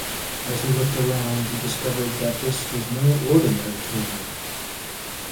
As he looked around, he discovered that this was no ordinary tomb.